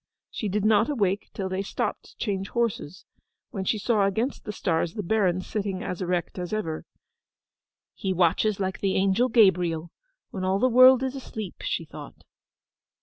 She did not awake till they stopped to change horses; when she saw against the stars the Baron sitting as erect as ever. 'He watches like the Angel Gabriel, when all the world is asleep!' she thought.